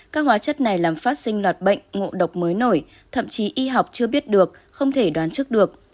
các hóa chất này làm phát sinh loạt bệnh ngộ độc mới nổi thậm chí y học chưa biết được không thể đoán trước được